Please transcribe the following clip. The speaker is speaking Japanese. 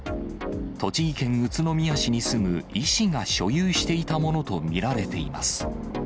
栃木県宇都宮市に住む医師が所有していたものと見られています。